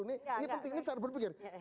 ini penting ini cara berpikir